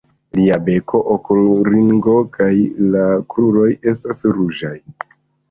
Ĝia beko, okulringo kaj la kruroj estas ruĝaj.